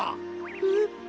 えっ？